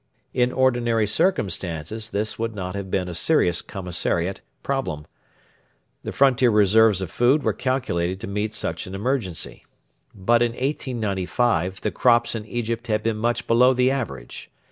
In ordinary circumstances this would not have been a serious commissariat problem. The frontier reserves of food were calculated to meet such an emergency. But in 1895 the crops in Egypt had been much below the average.